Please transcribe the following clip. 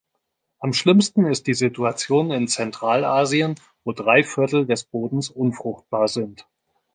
Am schlimmsten ist die Situation in Zentralasien, wo drei Viertel des Bodens unfruchtbar sind.